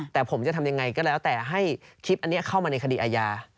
แต่ผมจะทำยังไงก็แล้วแต่ให้คลิปอันนี้เข้ามาในคดีอาญา